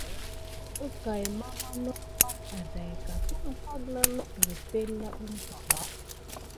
Əkay mama nok bak adaika tumpay ke naku nipenle na umpay ba.